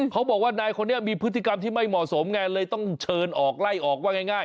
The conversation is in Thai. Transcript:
เขาบอกว่านายคนนี้มีพฤติกรรมที่ไม่เหมาะสมไงเลยต้องเชิญออกไล่ออกว่าง่าย